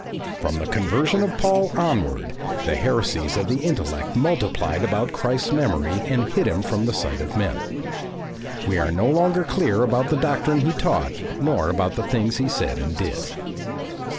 ... From the conversion of Paul onward, the heresies of the intellect multiplied about Christ's memory and hid him from the sight of men. We are no longer clear about the doctrine he taught nor about the things he said and did.